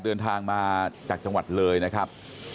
เดินทางมาจากจังหวัดเลยนะครับ